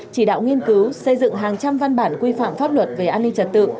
chỉ đạo nghiên cứu xây dựng hàng trăm văn bản quy phạm pháp luật về an ninh trật tự